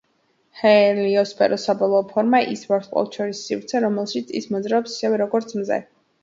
ჰელიოსფეროს საბოლოო ფორმას ის ვარსკვლავთშორისი სივრცე, რომელშიც ის მოძრაობს, ისევე, როგორც მზე.